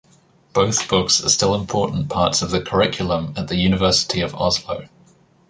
Both books are still important parts of the curriculum at the University of Oslo.